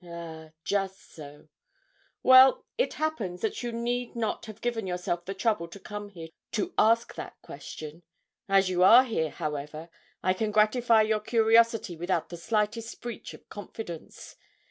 'Ah, just so; well, it happens that you need not have given yourself the trouble to come here to ask that question. As you are here, however, I can gratify your curiosity without the slightest breach of confidence.